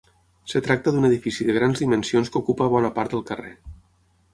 Es tracta d'un edifici de grans dimensions que ocupa bona part del carrer.